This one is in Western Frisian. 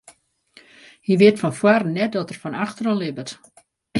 Hy wit fan foaren net dat er fan efteren libbet.